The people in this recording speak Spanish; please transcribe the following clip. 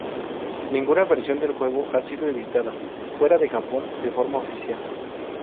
Ninguna versión del juego ha sido editada fuera de Japón de forma oficial.